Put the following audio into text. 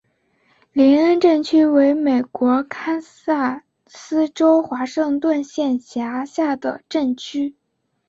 林恩镇区为美国堪萨斯州华盛顿县辖下的镇区。